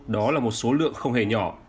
đó là một số lượng không hề nhỏ